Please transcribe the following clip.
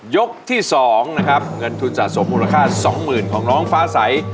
ยกที่๒นะครับเงินทุนสะสมมูลค่า๒๐๐๐ของน้องฟ้าใส